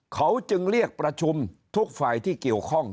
เขาจึงเรียกประชุมทุกฝ่ายที่เกี่ยวข้อง